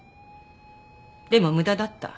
でも無駄だった。